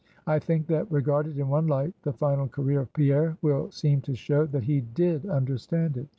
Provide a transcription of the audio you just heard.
I think that regarded in one light the final career of Pierre will seem to show, that he did understand it.